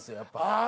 ああ。